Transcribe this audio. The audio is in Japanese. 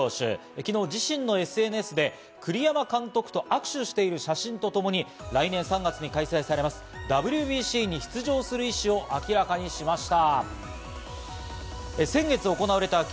昨日、自身のＳＮＳで栗山監督が握手している写真とともに来年３月に開催されますＷＢＣに出場する意思を明らかにしました。